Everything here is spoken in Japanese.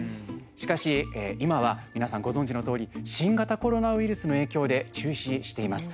しかし、今は皆さんご存じのとおり新型コロナウイルスの影響で中止しています。